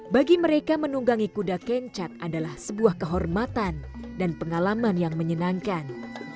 bagi mereka menunggangi kuda kencat adalah sebuah kehormatan dan pengalaman yang menyenangkan